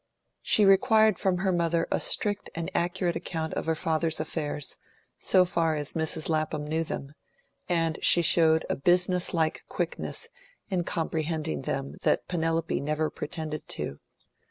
She required from her mother a strict and accurate account of her father's affairs, so far as Mrs Lapham knew them; and she showed a business like quickness in comprehending them that Penelope had never pretended to.